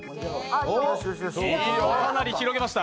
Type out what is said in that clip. かなり広げました。